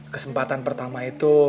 kesempatan pertama itu